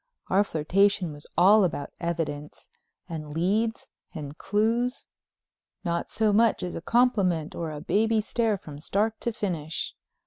Our flirtation was all about evidence, and leads, and clues—not so much as a compliment or a baby stare from start to finish.